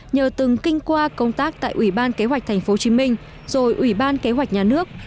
nhờ từng kinh qua công tác tại ủy ban kế hoạch thành phố hồ chí minh rồi ủy ban kế hoạch nhà nước